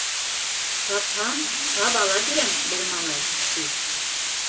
Тапһам, таба ла бирәм бер малай, ти.